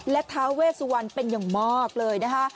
และท้าเวสุวรรณเป็นอย่างมากเลยนะคะ